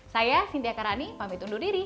saya cynthia karani pamit undur diri